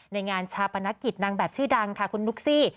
ในงานชาปนกิจนางแบบชื่อดังค่ะคุณนุ๊กซี่